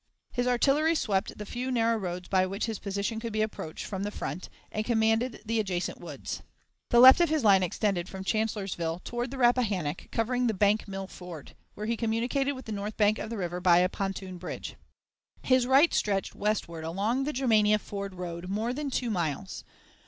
His artillery swept the few narrow roads by which his position could be approached from the front, and commanded the adjacent woods. The left of his line extended from Chancellorsville toward the Rappahannock, covering the Bank Mill Ford, where he communicated with the north bank of the river by a pontoon bridge. His right stretched westward along the Germania Ford road more than two miles.